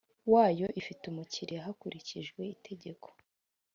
wayo ifitiye umukiriya hakurikijwe Itegeko